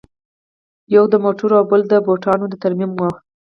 یوه د موټرو او بله د بوټانو د ترمیم وه